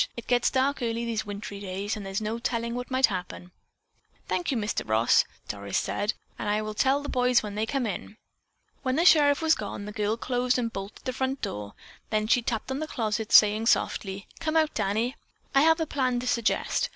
It gets dark early these wintry days and there's no telling what might happen." "Thank you, Mr. Ross." Doris said, "I will tell the boys when they come in." When the sheriff was gone, the girl closed and bolted the front door, then she tapped on the closet, saying softly: "Come out, Danny. I have a plan to suggest.